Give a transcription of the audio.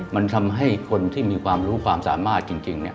มันทำให้คนที่มีความรู้ความสามารถจริง